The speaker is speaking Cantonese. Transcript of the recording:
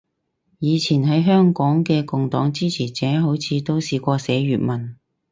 以前喺香港嘅共黨支持者好似都試過寫粵文